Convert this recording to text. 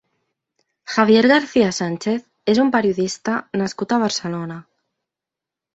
Javier García Sánchez és un periodista nascut a Barcelona.